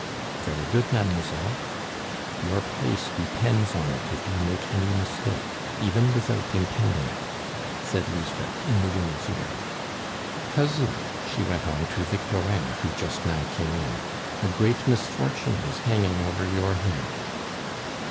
"Very good, mademoiselle." "Your place depends on it if you make any mistake, even without intending it," said Lisbeth, in the woman's ear. "Cousin," she went on to Victorin, who just now came in, "a great misfortune is hanging over your head."